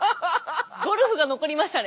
ゴルフが残りましたね